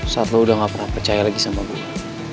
saat lo udah gak pernah percaya lagi sama gue